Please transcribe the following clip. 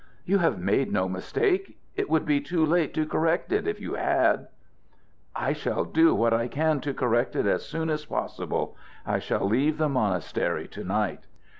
You have made no mistake. It would be too late to correct it, if you had." "I shall do what I can to correct it as soon as possible. I shall leave the monastery to night."